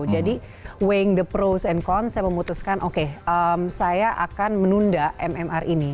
jadi weighing the pros and cons saya memutuskan oke saya akan menunda mmr ini